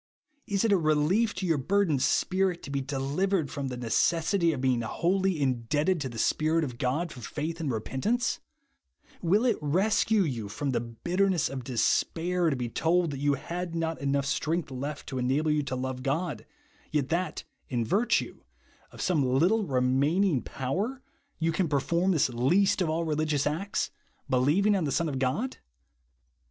Is it a relief to your burdened spirit to be de livered from the necessity of being wholly indebted to the Spirit of God for faith and repentance 1 Will it rescue you from the bitterness of despair to be told that you had not enough strength left to enable you to love God, yet that, in virtue of some Uttle THE WAN'T Oli POWF/l TO DRLIEVE. 1^9 remaining power, you can perform this least of all religious acts, believing on the Son of God?